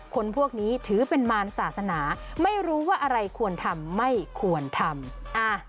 คนพวกนี้ถือเป็นมารศาสนาไม่รู้ว่าอะไรควรทำไม่ควรทำ